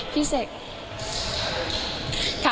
พี่เสก